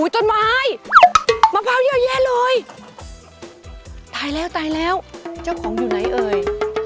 ต้นไม้มะพร้าวเยอะแยะเลยตายแล้วตายแล้วเจ้าของอยู่ไหนเอ่ย